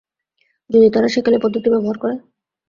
যদি তারা সেকেলে পদ্ধতি ব্যবহার করে?